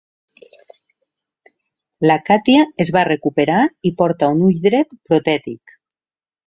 La Katya es va recuperar i porta un ull dret protètic.